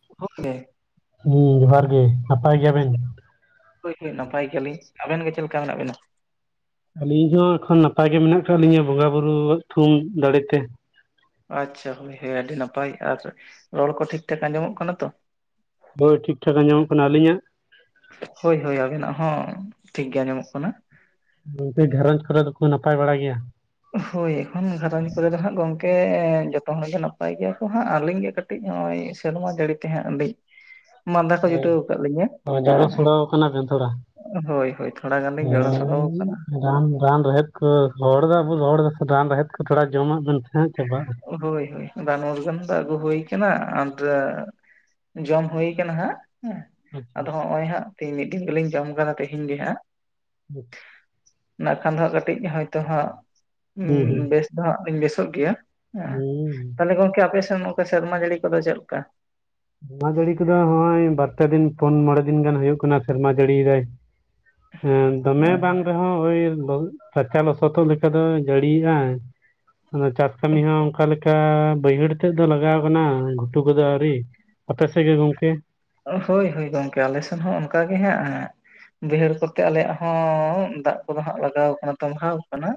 [unintelligible] ᱦᱮᱸ ᱡᱚᱦᱟᱨ ᱜᱮ ᱱᱟᱯᱟᱭ ᱜᱮᱭᱟᱵᱮᱱ? ᱦᱚᱭ [unintelligible] ᱱᱟᱯᱟᱭ ᱜᱮᱭᱟᱞᱤᱧ ᱟᱵᱮᱱ ᱜᱮ ᱪᱮᱫ ᱞᱮᱠᱟ ᱢᱮᱱᱟᱜ ᱵᱮᱱᱟ? ᱟᱹᱞᱤᱧ ᱦᱚᱸ ᱮᱠᱷᱚᱱ ᱱᱟᱯᱟᱭ ᱜᱮ ᱢᱮᱱᱟᱜ ᱟᱠᱟᱫ ᱞᱤᱧᱟᱹ ᱵᱚᱸᱜᱟ ᱵᱩᱨᱩ ᱭᱟᱜ ᱛᱷᱩᱢ ᱫᱟᱲᱮᱛᱮ ᱟᱪᱪᱷᱟ ᱦᱳᱭ ᱦᱮᱸ ᱟᱹᱰᱤ ᱱᱟᱯᱟᱭ, ᱟᱨ ᱨᱚᱲ ᱠᱚ ᱴᱷᱤᱠ ᱴᱷᱟᱠ ᱟᱸᱡᱚᱢᱚᱜ ᱠᱟᱱᱟ ᱛᱚ? ᱦᱳᱭ ᱴᱷᱤᱠ ᱴᱷᱟᱠ ᱟᱸᱡᱚᱢᱚᱜ ᱠᱟᱱᱟ᱾ ᱟᱹᱞᱤᱧᱟᱜ? ᱦᱳᱭ ᱦᱳᱭ ᱟᱵᱮᱱᱟᱜ ᱦᱚᱸ ᱴᱷᱤᱠᱜᱮ ᱟᱸᱡᱚᱢᱚᱜ ᱠᱟᱱᱟ ᱜᱚᱝᱠᱮ ᱜᱷᱟᱨᱚᱸᱡᱽ ᱠᱚᱨᱮ ᱫᱚᱠᱚ ᱱᱟᱯᱟᱭ ᱵᱟᱲᱟ ᱜᱮᱭᱟ? ᱦᱳᱭ ᱮᱠᱷᱚᱱ ᱜᱷᱟᱨᱚᱸᱡᱽ ᱠᱚ ᱨᱮ ᱫᱚ ᱦᱟᱸᱜ ᱜᱚᱢᱠᱮ ᱡᱚᱛᱚ ᱦᱚᱲ ᱜᱮ ᱱᱟᱯᱟᱭ ᱜᱮᱭᱟ ᱠᱚ ᱦᱟᱸᱜ, ᱟᱹᱞᱤᱧ ᱜᱮ ᱠᱟᱹᱴᱤᱡ ᱠᱟᱹᱴᱤᱡ ᱱᱚᱜᱼᱚᱭ ᱥᱮᱨᱢᱟ ᱡᱟᱹᱲᱤ ᱛᱮᱦᱟᱸᱜ ᱟᱹᱞᱤᱧ ᱢᱟᱸᱫᱟ ᱠᱚ ᱦᱳᱭ ᱡᱩᱴᱟᱹᱣ ᱠᱟᱜ ᱞᱤᱧᱟᱹ ᱡᱟᱜᱮ ᱥᱚᱲᱚᱣ ᱠᱟᱱᱟᱵᱮᱱ ᱛᱷᱚᱲᱟ ᱦᱮᱸ ᱦᱳᱭ ᱦᱳᱭ ᱛᱷᱚᱲᱟ ᱜᱟᱱ ᱞᱤᱧ ᱡᱚᱲᱚ ᱥᱚᱲᱚᱣ ᱦᱳᱭ ᱠᱟᱱᱟ ᱨᱟᱱ ᱨᱟᱱ ᱨᱮᱦᱮᱫ ᱠᱚ ᱦᱚᱲ ᱫᱚ ᱟᱵᱚ ᱦᱚᱲ ᱫᱚ ᱨᱟᱱ ᱨᱮᱦᱮᱫ ᱠᱚ ᱛᱷᱚᱲᱟ ᱡᱚᱢᱟᱜ ᱵᱮᱱ ᱥᱮ ᱦᱟᱸᱜ ᱪᱟᱵᱟᱜᱼᱟ ᱦᱳᱭ ᱦᱳᱭ ᱨᱟᱱ ᱢᱩᱨᱜᱟᱹᱱ ᱫᱚ ᱟᱹᱜᱩ ᱦᱳᱭ ᱠᱟᱱᱟ ᱟᱨ ᱡᱚᱢ ᱦᱳᱭ ᱠᱟᱱᱟ ᱦᱟᱸᱜ ᱦᱮᱸ ᱦᱩᱸ ᱟᱫᱚ ᱦᱚᱜᱼᱚᱭ ᱦᱟᱸᱜ ᱛᱤᱦᱤᱧ ᱢᱤᱫ ᱫᱤᱱ ᱜᱮᱞᱤᱧ ᱡᱚᱢ ᱠᱟᱫᱟ ᱛᱤᱦᱤᱧ ᱜᱮ ᱦᱟᱸᱜ [unintelligible] ᱱᱟᱜ ᱠᱷᱟᱱ ᱫᱚ ᱦᱟᱸᱜ ᱠᱟᱹᱴᱤᱡ ᱦᱳᱭᱛᱳ ᱦᱟᱸᱜ ᱩᱸ ᱦᱩᱸ ᱵᱮᱥ ᱫᱚ ᱦᱟᱸᱜ ᱞᱤᱧ ᱵᱮᱥᱚᱜ ᱜᱮᱭᱟ ᱦᱮᱸ ᱦᱩᱸ ᱛᱟᱦᱞᱮ ᱜᱚᱝᱠᱮ ᱟᱯᱮ ᱥᱮᱱ ᱱᱚᱝᱠᱟ ᱥᱮᱨᱢᱟ ᱡᱟᱹᱲᱤ ᱠᱚᱫᱚ ᱪᱮᱫ ᱞᱮᱠᱟ? ᱥᱮᱨᱢᱟ ᱡᱟᱹᱲᱤ ᱠᱚᱫᱚ ᱱᱚᱜᱼᱚᱭ ᱵᱟᱨᱯᱮ ᱫᱤᱱ ᱯᱩᱱ ᱢᱚᱬᱮ ᱫᱤᱱ ᱜᱟᱱ ᱦᱩᱭᱩᱜ ᱠᱟᱱᱟ ᱥᱮᱨᱢᱟ ᱡᱟᱹᱲᱤ ᱫᱟᱭ ᱦᱮᱸ ᱫᱚᱢᱮ ᱵᱟᱝ ᱨᱮᱦᱚᱸ ᱳᱭ ᱨᱟᱪᱟ ᱞᱚᱥᱚᱫᱚᱜ ᱞᱮᱠᱟ ᱫᱚ ᱡᱟᱹᱲᱤᱭᱟᱜ ᱚᱱᱟ ᱪᱟᱥ ᱠᱟᱹᱢᱤ ᱦᱚᱸ ᱚᱱᱠᱟ ᱞᱮᱠᱟ ᱚᱱᱠᱟ ᱵᱟᱹᱭᱦᱟᱹᱲ ᱛᱮᱫ ᱫᱚ ᱞᱟᱜᱟᱣ ᱟᱠᱟᱱᱟ ᱜᱷᱩᱴᱩ ᱠᱚᱫᱚ ᱟᱹᱣᱨᱤ ᱟᱯᱮ ᱥᱮᱫ ᱜᱮ ᱜᱚᱝᱠᱮ? ᱦᱳᱭ ᱦᱳᱭ ᱜᱚᱝᱠᱮ ᱟᱞᱮ ᱥᱮᱱ ᱦᱚᱸ ᱚᱱᱠᱟ ᱜᱮ ᱦᱟᱜ ᱦᱮᱸ ᱵᱟᱹᱭᱦᱟᱹᱲ ᱠᱚᱛᱮ ᱟᱞᱮᱭᱟᱜ ᱦᱚᱸ ᱫᱟᱜ ᱠᱚᱫᱚ ᱦᱟᱜ ᱞᱟᱜᱟᱣ ᱠᱟᱱᱟ ᱛᱟᱢᱵᱷᱟᱣ ᱠᱟᱱᱟ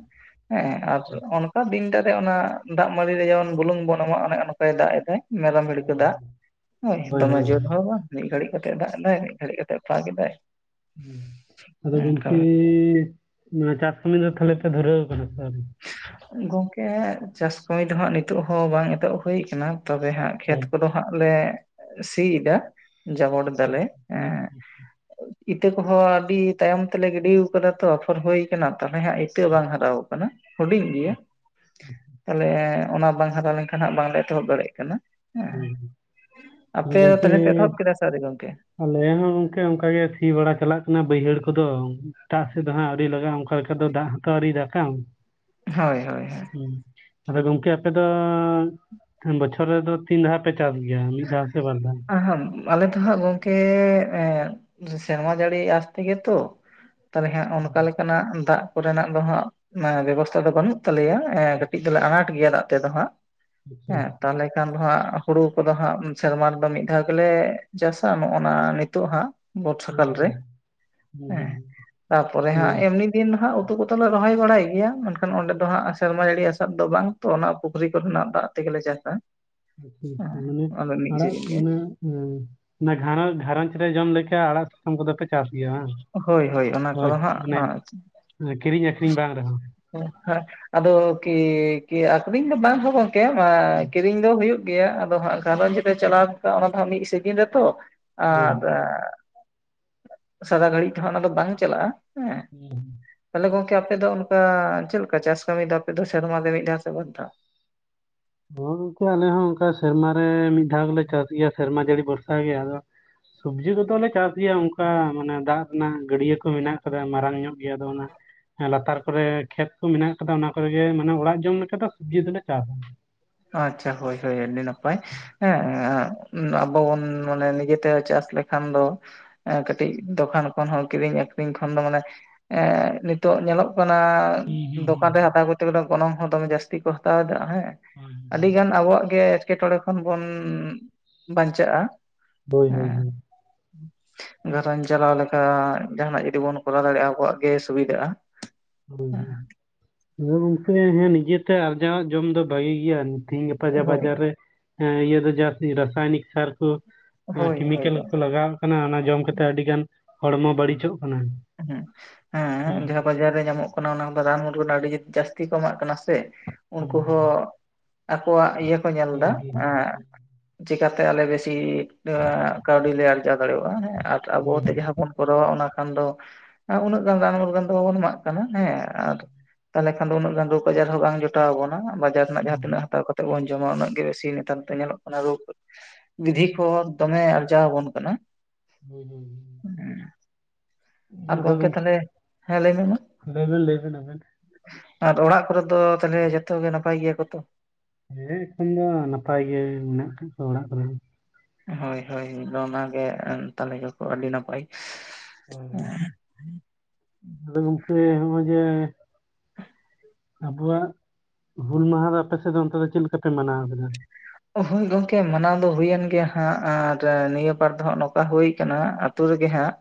ᱦᱮᱸ ᱟᱨ ᱚᱱᱠᱟ ᱫᱤᱱᱴᱟ ᱨᱮ ᱚᱱᱟ ᱫᱟᱜ ᱢᱟᱹᱰᱤ ᱨᱮ ᱡᱮᱢᱚᱱ ᱵᱩᱞᱩᱝ ᱵᱚᱱ ᱮᱢᱟ ᱚᱱᱮ ᱚᱱᱠᱟᱭ ᱫᱟᱜ ᱮᱫ ᱛᱟᱦᱮᱫ ᱢᱮᱨᱚᱢ ᱵᱷᱤᱲᱠᱟ ᱫᱟᱭ ᱦᱳᱭ ᱫᱚᱢᱮ ᱦᱳᱭ ᱦᱳᱭ ᱡᱳᱨ ᱦᱳᱭ᱾ ᱦᱚᱸ ᱢᱤᱫ ᱜᱷᱟᱹᱲᱤᱡ ᱠᱟᱛᱮ ᱫᱟᱜ ᱮᱫᱟᱭ ᱢᱤᱫ ᱜᱷᱟᱹᱲᱤᱡ ᱠᱟᱛᱮ ᱯᱷᱟᱠ ᱮᱫᱟᱭ ᱟᱫᱚ ᱚᱱᱠᱟ ᱜᱚᱢᱠᱮᱻ ᱪᱟᱥ ᱠᱟᱹᱢᱤ ᱫᱚ ᱛᱟᱦᱞᱮ ᱯᱮ ᱫᱷᱩᱨᱟᱹᱣ ᱠᱟᱱᱟ ᱥᱮ ᱟᱹᱣᱨᱤ? ᱜᱚᱝᱠᱮ ᱪᱟᱥ ᱠᱟᱹᱢᱤ ᱫᱚ ᱦᱟᱸᱜ ᱱᱤᱛᱳᱜ ᱦᱚᱸ ᱵᱟᱝ ᱮᱛᱚᱦᱚᱵ ᱦᱩᱭ ᱠᱟᱱᱟ ᱛᱚᱵᱮ ᱦᱟᱸᱜ ᱠᱷᱮᱛ ᱠᱚᱫᱚ ᱦᱟᱸᱜ ᱞᱮ ᱥᱤᱭᱮᱫᱟ ᱡᱟᱵᱚᱴ ᱫᱟᱞᱮ ᱮᱸᱜ ᱤᱛᱟᱹ ᱠᱚᱦᱚᱸ ᱟᱹᱰᱤ ᱛᱟᱭᱚᱢ ᱛᱮᱞᱮ ᱜᱤᱰᱤᱣ ᱠᱟᱫᱟ ᱛᱚ ᱟᱯᱷᱚᱨ ᱦᱩᱭ ᱠᱟᱱᱟ ᱛᱟᱦᱚᱞᱮ ᱦᱟᱸᱜ ᱤᱛᱟᱹ ᱵᱟᱝ ᱦᱟᱨᱟᱣ ᱠᱟᱱᱟ᱾ ᱦᱩᱰᱤᱧ ᱜᱮᱭᱟ ᱛᱟᱦᱚᱞᱮ ᱚᱱᱟ ᱵᱟᱝ ᱦᱟᱨᱟ ᱞᱮᱱᱠᱷᱟᱱ ᱦᱟᱸᱜ ᱵᱟᱝ ᱞᱮ ᱮᱛᱚᱦᱚᱵ ᱫᱟᱲᱮᱭᱟᱜ ᱠᱟᱱᱟ᱾ ᱦᱮᱸ ᱟᱫᱚ ᱟᱯᱮ ᱜᱚᱝᱠᱮ ᱛᱟᱦᱚᱞᱮ ᱯᱮ ᱮᱛᱚᱦᱚᱵ ᱠᱮᱫᱟ ᱥᱮ ᱟᱹᱣᱨᱤ ᱜᱚᱝᱠᱮ? ᱟᱞᱮ ᱦᱚᱸ ᱜᱚᱝᱠᱮ ᱚᱱᱠᱟ ᱜᱮ ᱥᱤ ᱵᱟᱲᱟ ᱪᱟᱞᱟᱜ ᱠᱟᱱᱟ ᱵᱟᱹᱭᱦᱟᱹᱲ ᱠᱚᱫᱚ ᱮᱴᱟᱜ ᱥᱮᱫ ᱫᱚ ᱦᱟᱸᱜ ᱟᱹᱣᱨᱤ ᱞᱟᱜᱟᱜ-ᱟ᱾ ᱚᱠᱟ ᱞᱮᱠᱟ ᱫᱚ ᱫᱟᱜ ᱦᱚᱛᱚ ᱟᱹᱣᱨᱤᱭ ᱫᱟᱜᱟ ᱦᱚᱭ ᱦᱚᱭ ᱦᱚᱭ ᱦᱮᱸ ᱟᱫᱚ ᱜᱚᱝᱠᱮ ᱟᱯᱮ ᱫᱚᱻ ᱵᱚᱪᱷᱚᱨ ᱨᱮᱫᱚ ᱛᱤᱱ ᱫᱷᱟᱣ ᱯᱮ ᱪᱟᱥ ᱜᱮᱭᱟ ᱢᱤᱫ ᱫᱷᱟᱣ ᱥᱮ ᱵᱟᱨ ᱫᱷᱟᱣ? ᱟᱦᱟᱸ ᱟᱞᱮ ᱫᱚ ᱦᱟᱸᱜ ᱜᱚᱝᱠᱮ ᱮ ᱥᱮᱨᱢᱟ ᱡᱟᱹᱲᱤ ᱟᱥᱛᱮᱜᱮ ᱛᱚ ᱛᱟᱦᱚᱞᱮ ᱦᱟᱸᱜ ᱚᱱᱠᱟ ᱞᱮᱠᱟᱱᱟᱜ ᱫᱟᱜ ᱠᱚ ᱨᱮᱱᱟᱜ ᱫᱚ ᱦᱟᱸᱜ ᱵᱮᱵᱚᱥᱛᱷᱟ ᱫᱚ ᱵᱟᱹᱱᱩᱜ ᱛᱟᱞᱮᱭᱟ ᱮᱸ ᱟᱪᱪᱷᱟ ᱠᱟᱹᱴᱤᱡ ᱫᱚᱞᱮ ᱟᱱᱟᱴ ᱜᱮᱭᱟ ᱫᱟᱜ ᱛᱮᱫᱚ ᱦᱟᱸᱜ ᱟᱪᱪᱷᱟ ᱦᱮᱸ ᱛᱟᱦᱚᱞᱮ ᱠᱷᱟᱱ ᱫᱚ ᱦᱟᱸᱜ ᱦᱩᱲᱩ ᱠᱚᱫᱚ ᱦᱟᱸᱜ ᱥᱮᱨᱢᱟ ᱨᱮᱫᱚ ᱢᱤᱫ ᱫᱷᱟᱣ ᱜᱮᱞᱮ ᱪᱟᱥᱟ ᱱᱚᱜ ᱚᱱᱟ ᱱᱤᱛᱚᱜ ᱦᱟᱸᱜ ᱵᱚᱨᱥᱟ ᱠᱟᱞ ᱨᱮ ᱦᱩᱸ ᱦᱮᱸ ᱦᱩᱸ ᱛᱟᱨᱯᱚᱨᱮ ᱦᱩᱸ ᱦᱟᱸᱜ ᱦᱩᱸ ᱮᱢᱱᱤ ᱫᱤᱱ ᱫᱚ ᱦᱟᱸᱜ ᱩᱛᱩ ᱠᱚᱛᱚ ᱞᱮ ᱨᱚᱦᱚᱭ ᱵᱟᱲᱟᱭ ᱜᱮᱭᱟ ᱢᱮᱱᱠᱷᱟᱱ ᱚᱸᱰᱮ ᱫᱚ ᱦᱟᱸᱜ ᱥᱮᱨᱢᱟ ᱡᱟᱹᱲᱤ ᱟᱥᱟᱵ ᱫᱚ ᱵᱟᱝ ᱛᱚ ᱚᱱᱟ ᱯᱩᱠᱷᱨᱤ ᱠᱚ ᱨᱮᱱᱟᱜ ᱫᱟᱜ ᱛᱮᱜᱮ ᱞᱮ ᱪᱟᱥᱟ [unintelligible] ᱦᱮᱸ ᱢᱤᱫ ᱚᱱᱟ ᱥᱤᱡᱤᱱ ᱜᱮ ᱜᱷᱟᱸᱨᱚ ᱜᱷᱟᱸᱨᱚᱧᱡᱽ ᱨᱮ ᱡᱚᱢ ᱞᱮᱠᱟ ᱟᱲᱟᱜ ᱥᱟᱠᱟᱢ ᱠᱚᱫᱚ ᱯᱮ ᱪᱟᱥ ᱜᱮᱭᱟ ᱵᱟᱝ ᱦᱳᱭ ᱦᱳᱭ ᱚᱱᱟ ᱠᱚᱫᱚ ᱦᱟᱸᱜ ᱮᱸ, ᱠᱤᱨᱤᱧ ᱟᱹᱠᱷᱨᱤᱧ ᱵᱟᱝ ᱨᱮᱦᱚᱸ ᱦᱮᱸ ᱟᱫᱚ ᱠᱤ ᱠᱤ ᱟᱹᱠᱷᱨᱤᱧ ᱫᱚ ᱵᱟᱝ ᱦᱳ ᱜᱚᱝᱠᱮ ᱢᱟ ᱦᱩᱸ, ᱠᱤᱨᱤᱧ ᱫᱚ ᱦᱩᱭᱩᱜ- ᱜᱮᱭᱟ ᱟᱫᱚ ᱦᱟᱸᱜ ᱜᱷᱟᱸᱨᱚᱸᱡᱽ ᱨᱮ ᱪᱟᱞᱟᱣ ᱚᱱᱟ ᱫᱚ ᱦᱟᱸᱜ ᱢᱤᱫ ᱥᱤᱡᱤᱱ ᱨᱮᱛᱚ ᱦᱳᱭ ᱟᱨ ᱥᱟᱨᱟ ᱜᱷᱟᱹᱲᱤᱡ ᱫᱚ ᱦᱟᱸᱜ ᱚᱱᱟ ᱫᱚ ᱵᱟᱝ ᱪᱟᱞᱟᱜ-ᱟ ᱦᱮᱸ [unintelligible] ᱛᱟᱦᱚᱞᱮ ᱜᱚᱝᱠᱮ ᱟᱯᱮ ᱫᱚ ᱚᱱᱠᱟ ᱪᱮᱫ ᱞᱮᱠᱟ ᱪᱟᱥ ᱠᱟᱹᱢᱤ ᱫᱚ ᱟᱯᱮ ᱫᱚ ᱥᱮᱨᱢᱟ ᱨᱮ ᱢᱤᱫ ᱫᱷᱟᱣ ᱥᱮ ᱵᱟᱨ ᱫᱷᱟᱣ? ᱦᱚᱸ ᱜᱚᱝᱠᱮ ᱟᱞᱮ ᱦᱚᱸ ᱚᱱᱠᱟ ᱥᱮᱨᱢᱟ ᱨᱮ ᱢᱤᱫ ᱫᱷᱟᱣ ᱜᱮᱞᱮ ᱪᱟᱥ ᱜᱮᱭᱟ ᱥᱮᱨᱢᱟ ᱡᱟᱹᱲᱤ ᱵᱷᱚᱨᱥᱟ ᱜᱮ ᱟᱫᱚ ᱥᱚᱵᱡᱤ ᱠᱚᱫᱚ ᱞᱮ ᱪᱟᱥ ᱜᱮᱭᱟ ᱚᱱᱠᱟ ᱢᱟᱱᱮ ᱫᱟᱜ ᱨᱮᱱᱟᱜ ᱜᱟᱹᱰᱭᱟᱹ ᱠᱚ ᱢᱮᱱᱟᱜ ᱟᱠᱟᱫᱟ ᱢᱟᱨᱟᱝ ᱧᱚᱜ ᱜᱮᱭᱟ ᱟᱫᱚ ᱚᱱᱟ ᱞᱟᱛᱟᱨ ᱠᱚᱨᱮ ᱠᱷᱮᱛ ᱠᱚ ᱢᱮᱱᱟᱜ ᱠᱟᱫᱟ ᱚᱱᱟ ᱠᱚᱨᱮ ᱜᱮ ᱢᱟᱱᱮ ᱚᱲᱟᱜ ᱡᱚᱢ ᱞᱮᱠᱟ ᱫᱚ ᱥᱚᱵᱡᱤ ᱫᱚᱞᱮ ᱪᱟᱥᱟ ᱟᱪᱪᱷᱟ ᱦᱳᱭ ᱦᱳᱭ ᱟᱹᱰᱤ ᱱᱟᱯᱟᱭ ᱦᱩᱸ ᱦᱮᱸ ᱟᱵᱚ ᱵᱚᱱ ᱢᱟᱱᱮ ᱱᱤᱡᱮ ᱛᱮ ᱪᱟᱥ ᱞᱮᱠᱷᱟᱱ ᱫᱚ ᱠᱟᱹᱴᱤᱡ ᱫᱚᱠᱟᱱ ᱠᱷᱚᱱ ᱦᱚᱸ ᱠᱤᱨᱤᱧ ᱟᱹᱠᱷᱨᱤᱧ ᱠᱷᱚᱱ ᱫᱚ ᱢᱟᱱᱮ ᱮᱸ ᱱᱤᱛᱚᱜ ᱧᱮᱞᱚᱜ ᱠᱟᱱᱟ ᱦᱩᱸ ᱦᱩᱸ ᱦᱳᱭ ᱫᱚᱠᱟᱱ ᱨᱮ ᱦᱳᱭ, ᱦᱟᱛᱟᱣ ᱠᱚᱨᱛᱮ ᱜᱮᱞᱮ ᱜᱚᱱᱚᱝ ᱦᱚᱸ ᱫᱚᱢᱮ ᱡᱟᱹᱥᱛᱤ ᱠᱚ ᱦᱟᱛᱟᱣ ᱮᱫᱟ ᱦᱮᱸ ᱦᱳᱭ. ᱟᱹᱰᱤ ᱜᱟᱱ ᱟᱵᱚᱣᱟᱜ ᱜᱮ ᱮᱴᱠᱮᱴᱚᱬᱮ ᱠᱷᱚᱱ ᱵᱚᱱ ᱵᱟᱧᱪᱟᱜ-ᱟ᱾ ᱦᱳᱭ ᱦᱳᱭ ᱦᱳᱭ [unintelligible] ᱜᱷᱟᱨᱚᱸᱧᱡᱽ ᱪᱟᱞᱟᱣ ᱞᱮᱠᱟ ᱡᱟᱦᱟᱱᱟᱜ ᱡᱚᱫᱤ ᱵᱚᱱ ᱠᱚᱨᱟᱣ ᱫᱟᱲᱮᱭᱟᱜ-ᱟ ᱟᱵᱚᱣᱟᱜ ᱜᱮ ᱥᱩᱵᱤᱫᱷᱟᱜ-ᱟ᱾ ᱛᱚᱵᱮ ᱜᱚᱝᱠᱮ ᱦᱮᱸ ᱱᱤᱡᱮᱛᱮ ᱟᱨᱡᱟᱣᱟᱜ ᱡᱚᱢ ᱫᱚ ᱵᱷᱟᱜᱤ ᱜᱮᱭᱟ ᱛᱤᱦᱤᱧ ᱜᱟᱯᱟ ᱡᱟ ᱦᱳᱭ ᱵᱟᱡᱟᱨ ᱨᱮ ᱮᱸ ᱤᱭᱟᱹ ᱫᱚ ᱡᱟᱥᱛᱤ ᱨᱟᱥᱟᱭᱱᱤᱠ ᱥᱟᱨ ᱠᱚ ᱟᱸ ᱦᱳᱭ ᱦᱳᱭ ᱠᱮᱢᱤᱠᱮᱞ ᱠᱚ ᱞᱟᱜᱟᱣᱟᱜ ᱠᱟᱱᱟ ᱚᱱᱟ ᱡᱚᱢ ᱠᱟᱛᱮᱜ ᱟᱹᱰᱤ ᱜᱟᱱ ᱦᱚᱲᱢᱚ ᱵᱟᱹᱲᱤᱡᱚᱜ ᱠᱟᱱᱟ᱾ ᱦᱮᱸ ᱡᱟᱦᱟᱸ ᱵᱟᱡᱟᱨ ᱨᱮ ᱧᱟᱢᱚᱜ ᱠᱟᱱᱟ ᱚᱱᱟ ᱦᱚᱸ ᱵᱟᱫᱟᱢ ᱨᱩᱢ ᱨᱮᱱᱟᱜ ᱟᱹᱰᱤ ᱡᱟᱹᱥᱛᱤ ᱠᱚ ᱮᱢᱟᱜ ᱠᱟᱱᱟ ᱥᱮ ᱩᱱᱠᱩ ᱦᱚᱸ ᱟᱠᱚᱣᱟᱜ ᱤᱭᱟᱹ ᱠᱚ ᱧᱮᱞ ᱦᱩᱸ ᱫᱟ ᱦᱩᱸ ᱦᱩᱸ ᱮᱸᱜ ᱪᱮᱠᱟ ᱛᱮ ᱟᱞᱮ ᱵᱮᱥᱤ ᱠᱟᱹᱣᱰᱤ ᱞᱮ ᱟᱨᱡᱟᱣ ᱫᱟᱲᱮᱣᱟᱜ-ᱟ ᱦᱮᱸ ᱟᱨ ᱟᱵᱚ ᱦᱳᱭ ᱦᱩᱸ ᱛᱮᱜᱮ ᱡᱟᱸᱦᱜ ᱵᱚᱱ ᱠᱚᱨᱟᱣᱟ ᱚᱱᱟ ᱠᱷᱟᱱ ᱫᱚ ᱩᱱᱟᱹᱜ ᱜᱟᱱ ᱨᱟᱱ ᱢᱩᱨᱜᱟᱱ ᱫᱚ ᱵᱟᱵᱚᱱ ᱮᱢᱟᱜ ᱠᱟᱱᱟ ᱦᱮᱸ ᱟᱨ ᱛᱟᱦᱚᱞᱮ ᱠᱷᱟᱱ ᱫᱚ ᱩᱱᱟᱹᱜ ᱜᱟᱱ ᱫᱚ ᱨᱚᱜ ᱵᱟᱡᱟᱨ ᱦᱚᱸ ᱵᱟᱝ ᱡᱚᱴᱟᱣ ᱟᱵᱚᱱᱟ ᱵᱟᱡᱟᱨ ᱨᱮᱱᱟᱜ ᱡᱟᱦᱟᱸ ᱛᱤᱱᱟᱹᱜ ᱦᱟᱛᱟᱣ ᱠᱟ- ᱛᱮᱜ ᱵᱚᱱ ᱡᱚᱢᱟ ᱩᱱᱟᱹᱜ ᱜᱮ ᱤᱥᱤ ᱱᱮᱛᱟᱨ ᱫᱚ ᱧᱮᱞᱚᱜ ᱠᱟᱱᱟ ᱨᱳᱜᱽ ᱵᱤᱫᱷᱤ ᱠᱚ ᱫᱚᱢᱮ ᱟᱨᱡᱟᱣ ᱟᱵᱚᱱ ᱠᱟᱱᱟ [unintelligible] ᱟᱨ ᱜᱚᱝᱠᱮ ᱛᱟᱦᱚᱞᱮ ᱦᱮᱸ ᱞᱟᱹᱭ ᱢᱮ ᱢᱟ ᱞᱟᱹᱭᱵᱤᱱ ᱞᱟᱹᱭᱵᱤᱱ ᱟᱵᱤᱱ ᱟᱨ ᱚᱲᱟᱜ ᱠᱚᱨᱮ ᱫᱚ ᱛᱟᱦᱚᱞᱮ ᱡᱚᱛᱚ ᱜᱮ ᱱᱟᱯᱟᱭ ᱜᱮᱭᱟ ᱠᱚ ᱛᱚ ᱦᱮᱸ ᱮᱠᱷᱚᱱ ᱫᱚ ᱱᱟᱯᱟᱭ ᱜᱮ ᱢᱮᱱᱟᱜ ᱟᱠᱟᱫ ᱠᱚᱣᱟ ᱚᱲᱟᱜ ᱠᱚᱨᱮ ᱦᱚᱸ ᱦᱳᱭ ᱦᱳᱭ ᱚᱱᱟᱜᱮ [unintelligible] ᱜᱮᱠᱚ ᱟᱹᱰᱤ ᱱᱟᱯᱟᱭ [unintelligible] ᱱᱚᱜ-ᱚᱭ ᱡᱮ ᱟᱵᱚᱣᱟᱜ ᱦᱩᱞ ᱢᱟᱦᱟ ᱫᱚ ᱟᱯᱮᱥᱮᱫ ᱚᱱᱛᱮ ᱫᱚ ᱪᱮᱫ ᱞᱮᱠᱟ ᱯᱮ ᱢᱟᱱᱟᱣ ᱠᱮᱫᱟ ᱦᱳᱭ ᱜᱚᱝᱠᱮ ᱢᱟᱱᱟᱣ ᱫᱚ ᱦᱩᱭᱮᱱ ᱜᱮᱭᱟ ᱦᱟᱸᱜ ᱟᱨ ᱱᱤᱭᱟᱹ ᱵᱟᱨ ᱫᱚ ᱦᱟᱸᱜ ᱱᱚᱝᱠᱟ ᱦᱩᱭ ᱠᱟᱱᱟ ᱟᱛᱩ ᱨᱮᱜᱮ ᱦᱟᱸᱜ